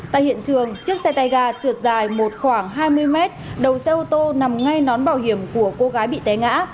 tại hiện trường chiếc xe tay ga trượt dài một khoảng hai mươi mét đầu xe ô tô nằm ngay nón bảo hiểm của cô gái bị té ngã